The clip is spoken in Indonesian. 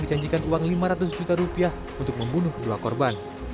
dijanjikan uang lima ratus juta rupiah untuk membunuh kedua korban